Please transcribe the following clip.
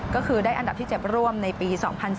ก็คือได้อันดับที่๗ร่วมในปี๒๐๑๘